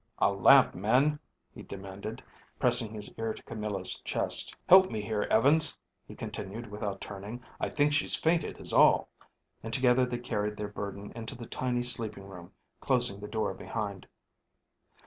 "A lamp, men," he demanded, pressing his ear to Camilla's chest. "Help me here, Evans," he continued without turning. "I think she's fainted is all," and together they carried their burden into the tiny sleeping room, closing the door behind.